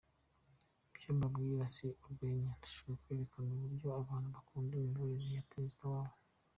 Ibyo mbabwira si urwenya, ndashaka kwerekana uburyo abantu bakunda imiyoborere ya Perezida wabo.